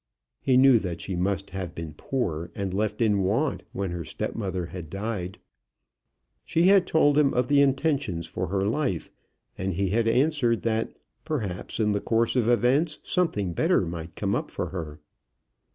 He knew that she must have been poor and left in want when her stepmother had died. She had told him of the intentions for her life, and he had answered that perhaps in the course of events something better might come up for her.